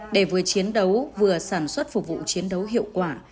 để vừa chiến đấu vừa sản xuất phục vụ chiến đấu hiệu quả